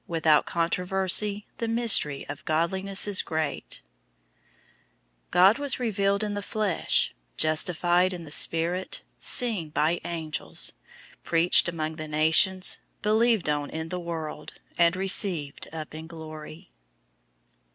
003:016 Without controversy, the mystery of godliness is great: God was revealed in the flesh, justified in the spirit, seen by angels, preached among the nations, believed on in the world, and received up in glory.